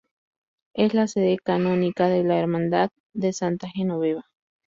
Es la sede canónica de la Hermandad de Santa Genoveva.